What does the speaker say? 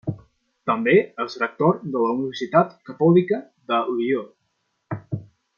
També és rector de la Universitat Catòlica de Lió.